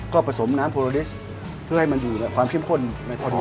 ก็ผสมน้ำโพรดิสเพื่อให้มันอยู่ความเครื่องข้น